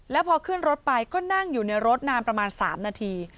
แล้วพอขึ้นรถไปก็นั่งอยู่ในรถนานประมาณ๓นาที